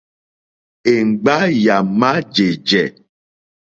Èŋɡba yà má jèjɛ̀.